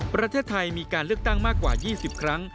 ประเทศไทยมีการเลือกตั้งมากกว่า๒๐ครั้ง